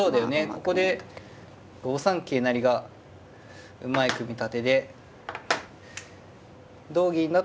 ここで５三桂成がうまい組み立てで同銀だと。